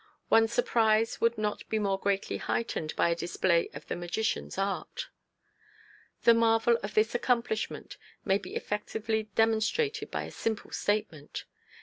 One's surprise would not be more greatly heightened by a display of the magician's art. The marvel of this accomplishment may be effectively demonstrated by a simple statement.